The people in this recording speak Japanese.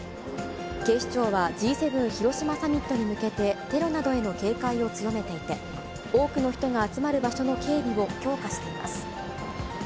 警視庁はＧ７広島サミットに向けて、テロなどへの警戒を強めていて、多くの人が集まる場所の警備を強化しています。